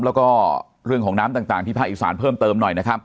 แล้วก็เรื่องของน้ำต่างที่ภาคอีสานเพิ่มเติมหน่อยนะครับ